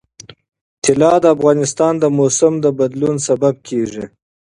طلا د افغانستان د موسم د بدلون سبب کېږي.